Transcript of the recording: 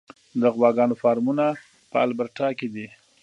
د غواګانو فارمونه په البرټا کې دي.